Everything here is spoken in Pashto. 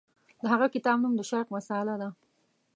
د هغه کتاب نوم د شرق مسأله ده.